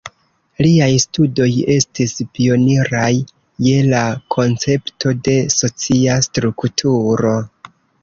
Liaj studoj estis pioniraj je la koncepto de socia strukturo.